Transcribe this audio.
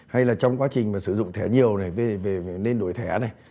hay là trong quá trình sử dụng thẻ nhiều này nên đổi thẻ này